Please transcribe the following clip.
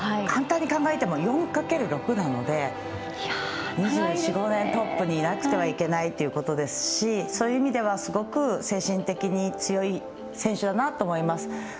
簡単に考えても４かける６なので２４２５年、トップにいなくてはいけないということですしそういう意味ではすごく精神的に強い選手だなと思います。